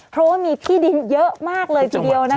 เพราะว่ามีที่ดินเยอะมากเลยทีเดียว